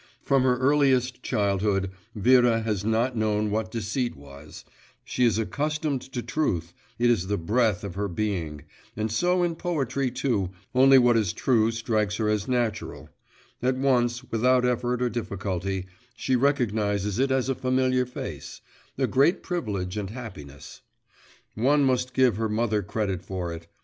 From her earliest childhood Vera has not known what deceit was; she is accustomed to truth, it is the breath of her being, and so in poetry too, only what is true strikes her as natural; at once, without effort or difficulty, she recognises it as a familiar face … a great privilege and happiness. One must give her mother credit for it.